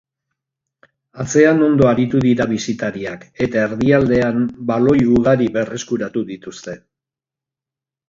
Atzean ondo aritu dira bisitariak, eta erdialdean baloi ugari berreskuratu dituzte.